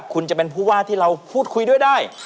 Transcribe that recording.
คุณจะเป็นผู้ว่าที่เราพูดคุยด้วยได้